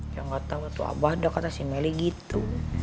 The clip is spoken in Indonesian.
yang gak tahu tuh abah dok kata si meli gitu